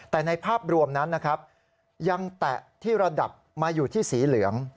แต่ในภาพรวมนั้นนะครับยังแตะที่ระดับมาอยู่ที่สีเหลือง